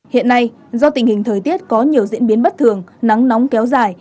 hiện nay do tình hình thời tiết có nhiều diễn biến bất thường nắng nóng kéo dài